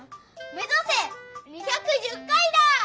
めざせ２１０回だ！